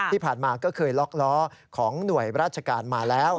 ที่ผ่านมาก็เคยล็อกล้อของหน่วยราชการมาแล้ว